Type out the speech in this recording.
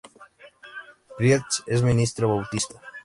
Priest es ministro bautista.